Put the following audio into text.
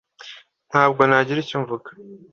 Ntabwo nagira icyo mvuga